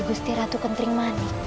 gusti ratu kentering manik